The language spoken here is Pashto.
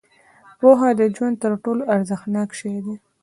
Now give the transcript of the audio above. • پوهه د ژوند تر ټولو ارزښتناک شی دی.